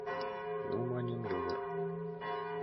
— Ну, маньым, Йогор!..